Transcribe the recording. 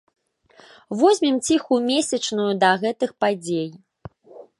Возьмем ціхую месячную да гэтых падзей.